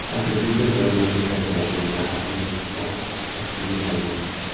Al principio, Esteban explica que la comunidad le instó a escribir la "Vida".